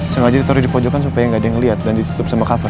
sengaja ditaruh di pojokan supaya nggak ada yang lihat dan ditutup sama cover